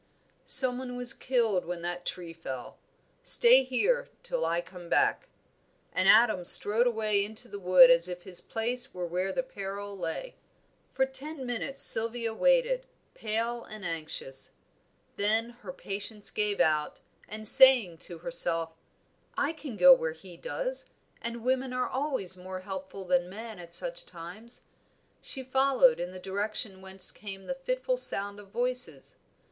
"Someone was killed when that tree fell! Stay here till I come back;" and Adam strode away into the wood as if his place were where the peril lay. For ten minutes Sylvia waited, pale and anxious; then her patience gave out, and saying to herself, "I can go where he does, and women are always more helpful than men at such times," she followed in the direction whence came the fitful sound of voices.